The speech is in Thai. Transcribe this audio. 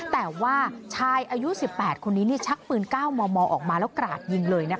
แต่ว่าชายอายุ๑๘คนนี้ชักปืน๙มมออกมาแล้วกราดยิงเลยนะคะ